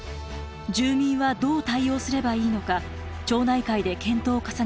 住民はどう対応すればいいのか町内会で検討を重ねました。